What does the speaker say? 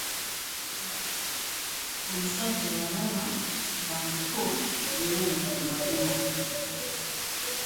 Omusajja yalaba nga ndiko ebiwundu ku magulu.